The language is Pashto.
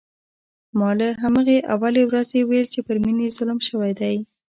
ما له همهغې اولې ورځې ویل چې پر مينې ظلم شوی دی